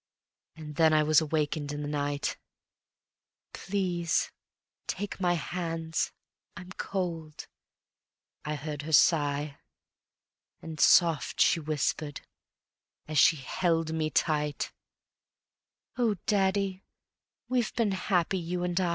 And then I was awakened in the night: "Please take my hands, I'm cold," I heard her sigh; And soft she whispered, as she held me tight: "Oh daddy, we've been happy, you and I!"